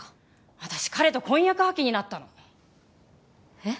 私彼と婚約破棄になったのえっ？